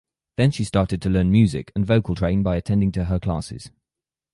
Then she started to learn music and vocal train by attending to her classes.